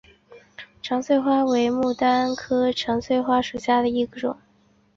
长穗花为野牡丹科长穗花属下的一个种。